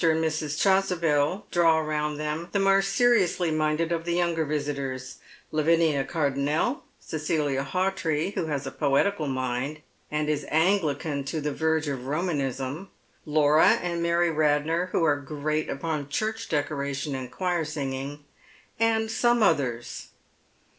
and Mrs. Chasubel draw around them the more seriously minded of the younger visitors, — Lnvinia Cardoimel ; Cecilia Hawtree, who has a poetical mind, and is Anglican to the verge of Romanism ; Laura and Mary Radnor, who are great upon church decoration and choir singing ; and some others.